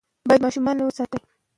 باید د ماشومانو علمی کچې ته پام وکړو.